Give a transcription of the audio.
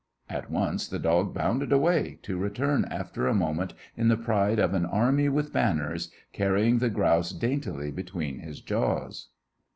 At once the dog bounded away, to return after a moment in the pride of an army with banners, carrying the grouse daintily between his jaws.